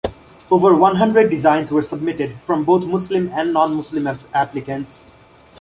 Over one hundred designs were submitted, from both Muslim and non-Muslim applicants.